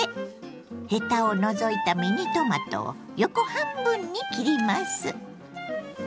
ヘタを除いたミニトマトを横半分に切ります。